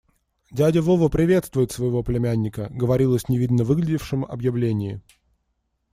«Дядя Вова приветствует своего племянника», - говорилось в невинно выглядевшем объявлении.